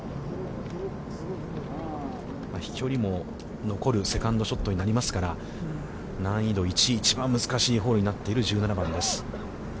飛距離も残るセカンドショットになりますから、難易度１、一番難しいホールになっている、１７番です。